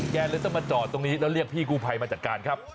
เลยต้องมาจอดตรงนี้แล้วเรียกพี่กู้ภัยมาจัดการครับ